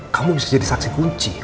kamu bisa jadi saksi kunci